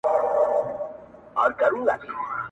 o د هوی و های د محفلونو د شرنګاه لوري.